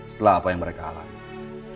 setelah apa yang mereka alami